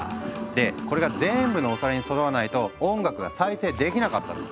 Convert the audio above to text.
でこれが全部のお皿にそろわないと音楽が再生できなかったの。